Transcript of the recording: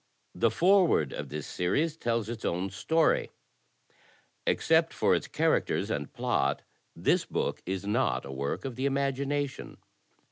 The Foreword of this series tells its own story: "Except for its characters and plot, this book is not a work of the imagination.